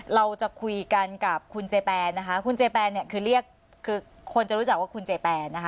เราจะคุยกันกับคุณเจแปนนะคะคุณเจแปนเนี่ยคือเรียกคือคนจะรู้จักว่าคุณเจแปนนะคะ